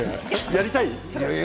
やりたい？